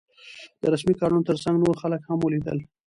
د رسمي کارونو تر څنګ نور خلک هم ولیدل.